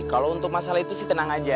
kalau untuk masalah itu sih tenang aja